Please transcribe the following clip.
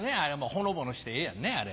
ほのぼのしてええやんねあれ。